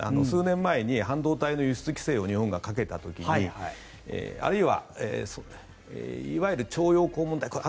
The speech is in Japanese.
数年前に半導体の輸出規制を日本がかけた時あるいは、いわゆる徴用工問題